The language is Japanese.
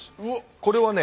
これをね